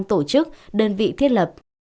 tổ chức đơn vị thiết lập